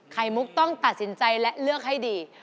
ไข่มุกต้องตัดสินใจและเลือกให้ดี